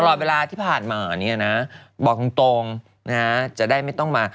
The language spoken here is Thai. ตลอดเวลาที่ผ่านมาเนี่ยนะบอกตรงนะฮะจะได้ไม่ต้องมา